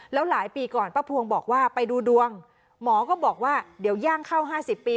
แล้วหลายปีก่อนป้าพวงบอกว่าไปดูดวงหมอก็บอกว่าเดี๋ยวย่างเข้า๕๐ปี